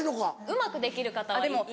うまくできる方はいい。